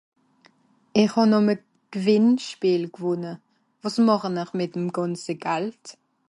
er hàn àm à G'wìnnschpeel g'wònne wàs màchen'r mìt'm gànze Gald